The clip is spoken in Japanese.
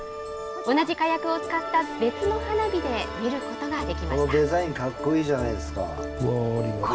同じ火薬を使った別の花火で見ることができました。